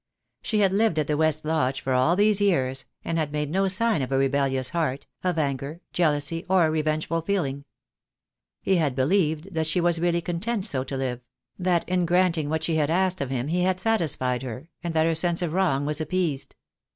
She had lived at the West Lodge for all these years, and had made no sign of a rebellious heart, of anger, jealousy, or revengeful feeling. He had believed that she was really content so to live; that in granting what she had asked of him he had satisfied her, and that her sense of wrong was appeased.